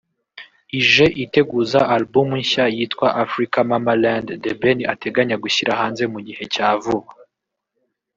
ije iteguza Album nshya yitwa “Africa Mama Land” The Ben ateganya gushyira hanze mu gihe cya vuba